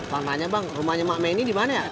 bang tanya bang rumahnya ma eni di mana